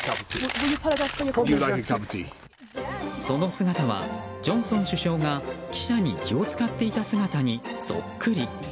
その姿は、ジョンソン首相が記者に気を使っていた姿にそっくり。